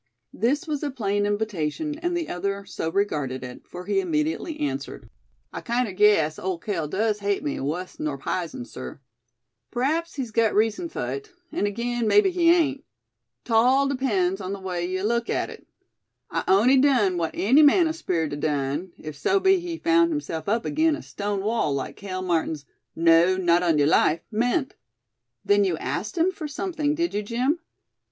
This was a plain invitation, and the other so regarded it, for he immediately answered: "I kinder guess Ole Cale does hate me wuss nor pizen, sir. P'raps he's gut reason fut hit; an' agin, mebbe he hain't. 'Tall depends on the way yuh look at hit. I on'y done what any man o' speerit'd adone, if so be he found himself up agin a stone wall like Cale Martin's 'no, not on yuh life!' meant." "Then you asked him for something, did you, Jim?"